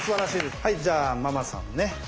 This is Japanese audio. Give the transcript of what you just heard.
じゃあママさんね。